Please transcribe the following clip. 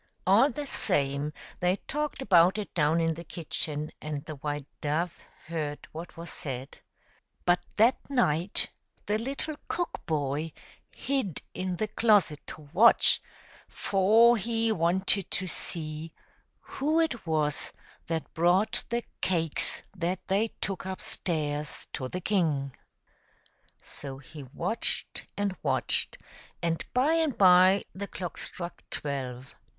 All the same, they talked about it down in the kitchen, and the white dove heard what was said. But that night the little cook boy hid in the closet to watch, for he tr^e )9ouiif ftfiiflcaresist^ fto^tu 6obe. wanted to see who it was that brought the cakes that they took up stairs to the king. So he watched and watched, and by and by the clock struck twelve.